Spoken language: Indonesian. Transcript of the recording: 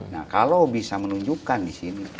nah kalau bisa menunjukkan di sini